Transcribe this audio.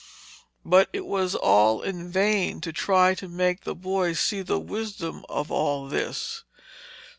But it was all in vain to try to make the boy see the wisdom of all this.